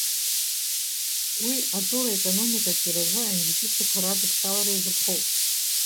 Уи атәыла аеклномика аҿиаразы аинвестициақәа радыԥхьалара иазырхоуп.